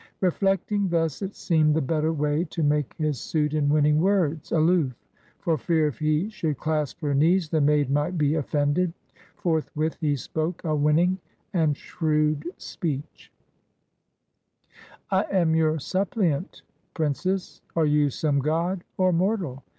Reflecting thus, it seemed the better way to make 27 GREECE his suit in winning words, aloof; for fear if he should clasp her knees, the maid might be offended. Forthwith he spoke, a winning and shrewd speech :— "I am your suppliant, princess. Are you some god or mortal?